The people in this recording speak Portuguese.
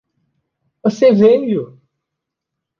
Você veio!